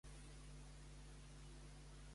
De quina manera s'expressa Cuixart en aquest missatge?